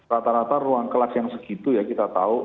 rata rata ruang kelas yang segitu ya kita tahu